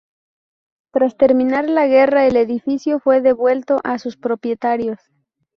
Tras terminar la guerra el edificio fue devuelto a sus propietarios.